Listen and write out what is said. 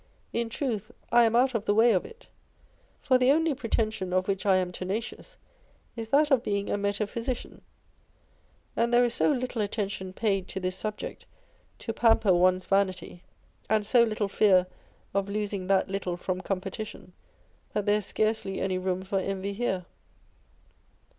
In truth, I am out of the way of it : for the only pretension of which I am tenacious, is that of being a metaphysician ; and there is so little attention paid to this subject to pamper one's vanity, and so little fear of losing that little from competition, that there is scarcely any room for envy here.